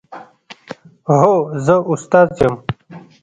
هو، زه استاد یم